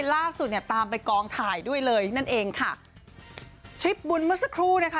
ล่าสุดเนี่ยตามไปกองถ่ายด้วยเลยนั่นเองค่ะทริปบุญเมื่อสักครู่นะคะ